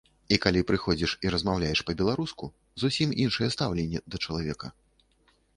І калі прыходзіш і размаўляеш па-беларуску, зусім іншае стаўленне да чалавека.